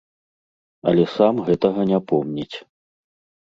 Але сам гэтага не помніць.